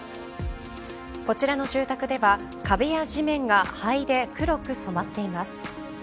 こちらの住宅では壁や地面が灰で黒く染まっています。